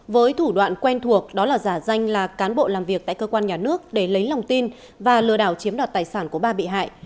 với thủ đoạn quen thuộc đó là giả danh là cán bộ làm việc tại cơ quan nhà nước để lấy lòng tin và lừa đảo chiếm đoạt tài sản của ba bị hại